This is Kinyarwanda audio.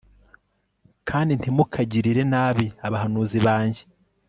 kandi ntimukagirire nabi abahanuzi banjye